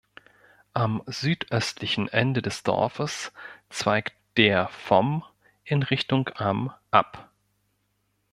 Am südöstlichen Ende des Dorfes zweigt der vom in Richtung am ab.